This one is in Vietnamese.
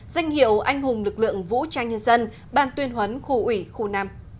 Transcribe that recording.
danh hiệu anh hùng lực lượng vũ trang nhân dân ban tuyên huấn khu ủy khu năm